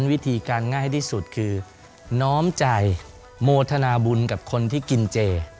วิธีการง่ายที่สุดคือน้อมใจโมทนาบุญกับคนที่กินเจ